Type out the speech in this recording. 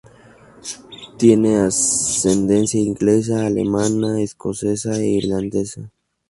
Tiene ascendencia inglesa, alemana, escocesa e irlandesa.